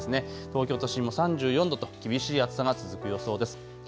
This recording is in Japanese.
東京都心も３４度と厳しい暑さが続く予想です。